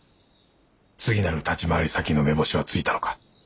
次なる立ち回り先の目星はついたのか？